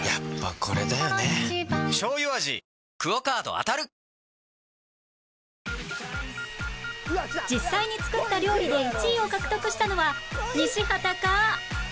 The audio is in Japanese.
わかるぞ実際に作った料理で１位を獲得したのは西畑か？